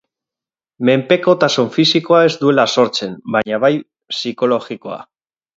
Menpekotasun fisikoa ez duela sortzen, baina bai psikologikoa.